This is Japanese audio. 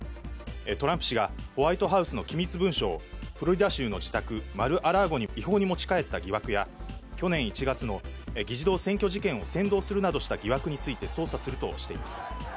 トランプ氏がホワイトハウスの機密文書をフロリダ州の自宅、マル・ア・ラーゴに違法に持ち帰った疑惑や、去年１月の議事堂占拠事件を扇動するなどした疑惑について捜査するとしています。